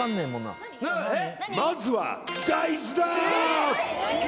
まずは大豆だー！